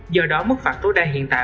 do đó mức phạt tối đa hiện tại